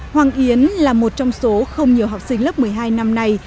hoàng yến là một trong số không nhiều học sinh lớp một mươi hai năm nay